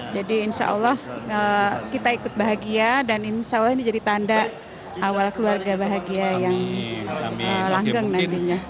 jadi insya allah kita ikut bahagia dan insya allah ini jadi tanda awal keluarga bahagia yang langgang nantinya